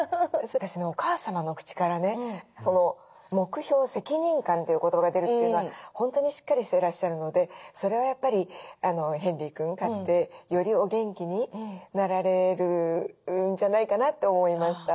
私ねお母様の口からね「目標」「責任感」という言葉が出るというのは本当にしっかりしていらっしゃるのでそれはやっぱりヘンリー君飼ってよりお元気になられるんじゃないかなと思いました。